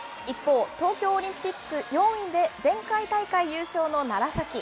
一方、東京オリンピック４位で前回大会優勝の楢崎。